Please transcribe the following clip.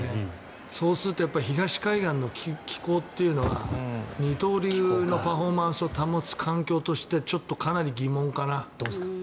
そうすると東海岸の気候というのは二刀流のパフォーマンスを保つ環境としてちょっとかなり疑問かな。